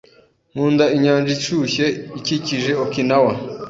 Nkunda inyanja ishyushye ikikije Okinawa.